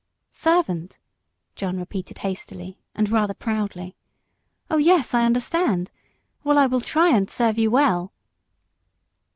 "Servant!" John repeated hastily, and rather proudly. "Oh yes, I understand well, I will try and serve you well."